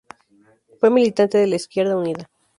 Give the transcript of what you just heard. Fue militante de Izquierda Unida.